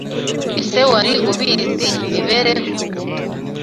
Ese wari ubizi Imibereho